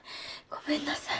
ごめんなさい。